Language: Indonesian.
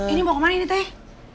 ini mau kemana ini teh